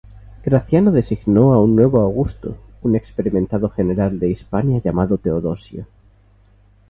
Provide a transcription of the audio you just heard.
Graciano designó un nuevo augusto, un experimentado general de Hispania llamado Teodosio.